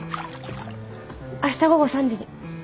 あした午後３時に。